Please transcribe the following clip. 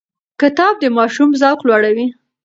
کتاب د ماشوم ذوق لوړوي.